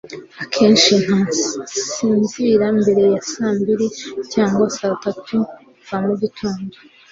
Akenshi ntasinzira mbere ya saa mbiri cyangwa saa tatu za mugitondo